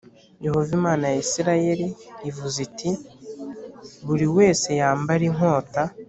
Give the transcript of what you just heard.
Yehova Imana ya Isirayeli ivuze iti buri wese yambare inkota